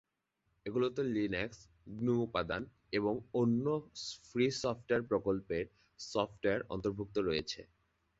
এগুলোতে Linux kernel, GNU উপাদান এবং অন্য ফ্রি সফটওয়্যার প্রকল্পের সফটওয়্যার অন্তর্ভুক্ত রয়েছে।